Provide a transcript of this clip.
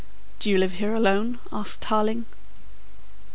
"Do you live here alone?" asked Tarling.